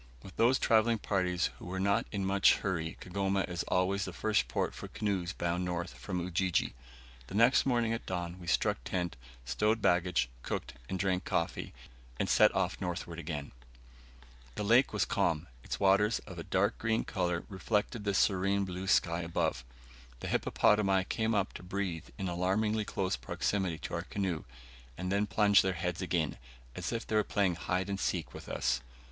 With those travelling parties who are not in much hurry Kigoma is always the first port for canoes bound north from Ujiji. The next morning at dawn we struck tent, stowed baggage, cooked, and drank coffee, and set off northward again. The lake was quite calm; its waters, of a dark green colour, reflected the serene blue sky above. The hippopotami came up to breathe in alarmingly close proximity to our canoe, and then plunged their heads again, as if they were playing hide and seek with us.